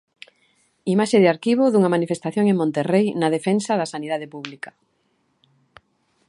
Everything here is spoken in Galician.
Imaxe de arquivo dunha manifestación en Monterrei na defensa da sanidade pública.